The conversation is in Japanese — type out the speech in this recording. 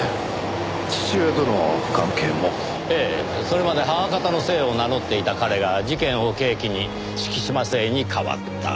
それまで母方の姓を名乗っていた彼が事件を契機に敷島姓に変わった。